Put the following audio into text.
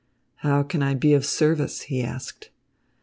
"How can I be of service?" he asked.